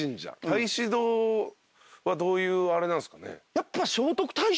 太子堂はどういうあれなんすかね？